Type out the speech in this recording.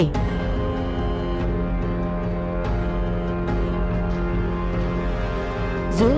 cơ quan điều tra